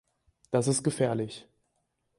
Das ist gefährlich.